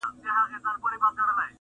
ما منلی پر ځان حکم د سنګسار دی,